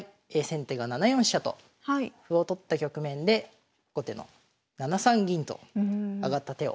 先手が７四飛車と歩を取った局面で後手の７三銀と上がった手を今回はポイントにしました。